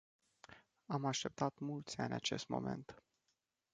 Am așteptat mulți ani acest moment.